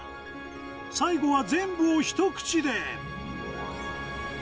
最後は全部を一口で。